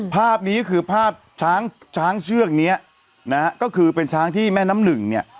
ภาพนี้คือภาพช้างช้างเชือกเนี้ยนะฮะก็คือเป็นช้างที่แม่น้ำหนึ่งเนี่ย